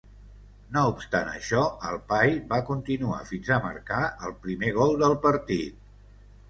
No obstant això, Alpay va continuar fins a marcar el primer gol del partit.